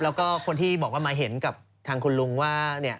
แล้วก็คนที่บอกว่ามาเห็นกับทางคุณลุงว่า